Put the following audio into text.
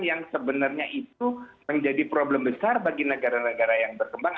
yang sebenarnya itu menjadi problem besar bagi negara negara yang berkembang